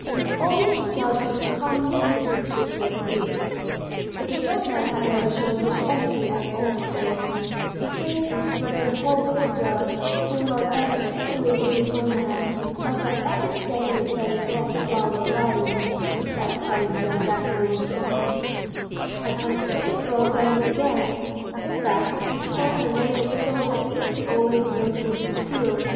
If only it doesn't come to the mistress's ears!" But the dumb man had never shown such energy as on that day; he cleaned and scraped the whole courtyard, pulled up every single weed with his own hand, tugged up every stake in the fence of the flower garden, to satisfy himself that they were strong enough, and unaided drove them in again; in fact, he toiled and labored so that even the old lady noticed his zeal.